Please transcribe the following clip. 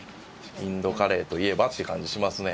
インドカレーといえばって感じしますね。